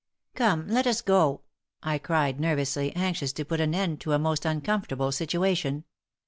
"Come, let us go," I cried, nervously, anxious to put an end to a most uncomfortable situation.